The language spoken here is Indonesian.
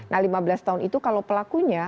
nah lima belas tahun itu kalau pelakunya